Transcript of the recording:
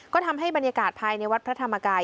ก็ทำให้บรรยากาศภายในวัดพระธรรมกาย